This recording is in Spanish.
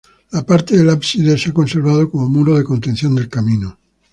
La parte del ábside se ha conservado como muro de contención del camino.